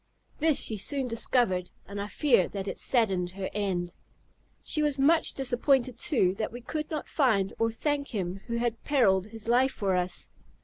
This she soon discovered, and I fear that it saddened her end. She was much disappointed, too, that we could not find or thank him who had perilled his life for us.